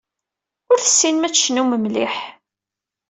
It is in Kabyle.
Ur tessinem ad tecnum mliḥ.